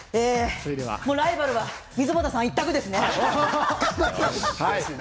ライバルは溝端さん一択ですね。